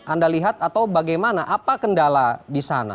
anda lihat atau bagaimana apa kendala di sana